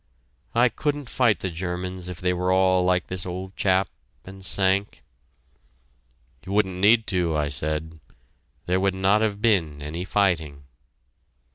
I couldn't fight the Germans if they were all like this old chap and Sank!" "You wouldn't need to," I said. "There would not have been any fighting."